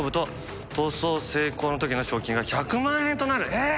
えっ！？